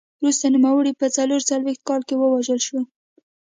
وروسته نوموړی په څلور څلوېښت کال کې ووژل شو